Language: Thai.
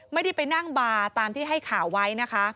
ไม่ได้ไปนั่งบาร์ตามที่ให้ข่าวไว้นะคะ